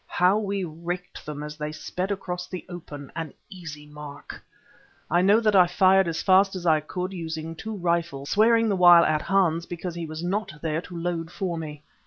How we raked them as they sped across the open, an easy mark! I know that I fired as fast as I could using two rifles, swearing the while at Hans because he was not there to load for me.